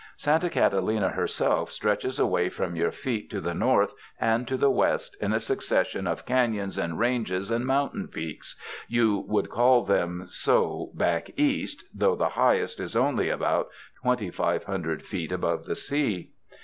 Santa Catalina herself stretches away from your feet to the north and the west in a succession of canons and ranges and mountain peaks — you would call them so "back East," though the highest is only about twenty five hundred feet above the sea.